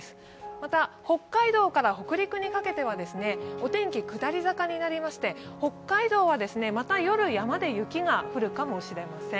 また、北海道から北陸にかけてはお天気、下り坂になりまして北海道はまた夜、山で雪が降るかもしれません。